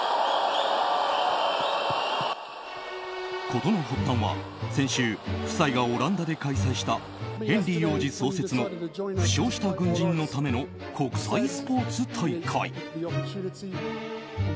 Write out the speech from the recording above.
事の発端は先週夫妻がオランダで開催したヘンリー王子創設の負傷した軍人のための国際スポーツ大会。